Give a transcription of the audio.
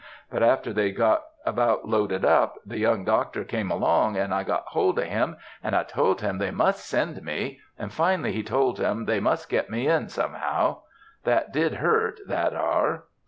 But after they'd got about loaded up, the young doctor came along, and I got hold o' him, and I told him they must send me, and finally he told 'em they must get me in somehow. That did hurt, that 'are.